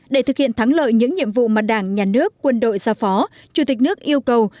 để thực hiện thắng lợi những nhiệm vụ mà đảng nhà nước quân đội giao phó chủ tịch nước yêu cầu